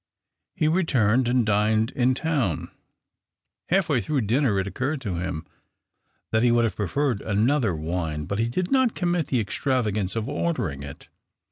He re urned and dined in town. Halfway through inner it occurred to him that he would have referred another wine, but he did not commit lie extravagance of ordering it.